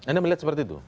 anda melihat seperti itu